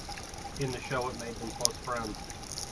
In the show, it made them close friends.